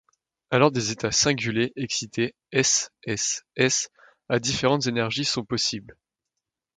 Alors des états singulets excités S, S, S à différentes énergies sont possibles.